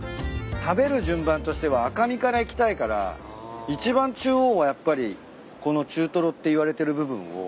食べる順番としては赤身からいきたいから一番中央はやっぱりこの中とろっていわれてる部分を。